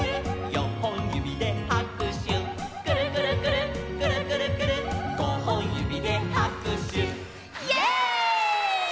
「よんほんゆびではくしゅ」「くるくるくるっくるくるくるっ」「ごほんゆびではくしゅ」イエイ！